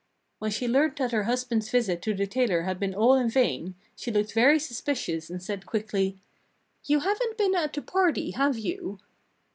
When she learned that her husband's visit to the tailor had been all in vain, she looked very suspicious and said quickly: "You haven't been at a party, have you?"